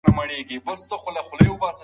سوان د سهولت او آرامۍ مانا لري.